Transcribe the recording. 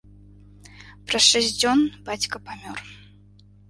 Праз шэсць дзён бацька памёр.